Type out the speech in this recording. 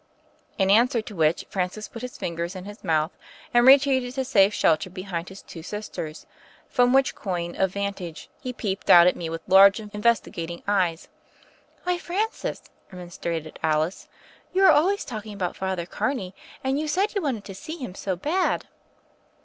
In answer to which, Francis put his finger in his mouth, and retreated to safe shelter be hind his two sisters, from which coign of vantage he peeped out at me with large, investi gating eyes. "Why, Francis," remonstrated Alice, "you are always talking about Father Carney; and you said you wanted to see him so bad."